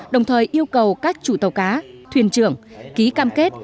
đồng thời yêu cầu các chủ tàu cá thuyền trưởng ký cam kết